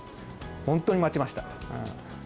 本当に待ちました。